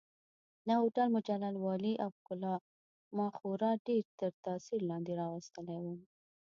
د هوټل مجلل والي او ښکلا ما خورا ډېر تر تاثیر لاندې راوستلی وم.